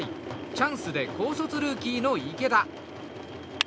チャンスで高卒ルーキーの池田。